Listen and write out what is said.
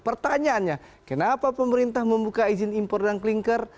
pertanyaannya kenapa pemerintah membuka izin impor dan klingker